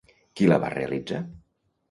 Qui la va realitzar?